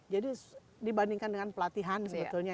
jadi dibandingkan dengan pelatihan sebetulnya